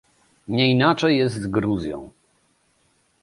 Nie inaczej jest z Gruzją